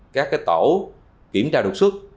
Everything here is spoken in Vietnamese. các tổ kiểm tra đột xuất